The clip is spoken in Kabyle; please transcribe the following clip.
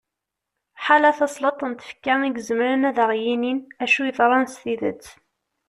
ḥala tasleḍt n tfekka i izemren ad aɣ-yinin acu yeḍran s tidet